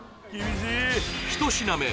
１品目